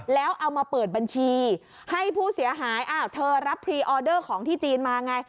แล้วเอามาเปิดบัญชีให้ผู้เสียหายอ้าวเธอรับพรีออเดอร์ของที่จีนมาไง